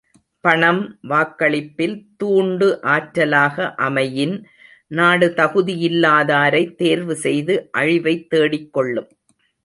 பணம், வாக்களிப்பில் தூண்டு ஆற்றலாக அமையின் நாடு தகுதியில்லாதாரைத் தேர்வு செய்து அழிவைத் தேடிக்கொள்ளும்!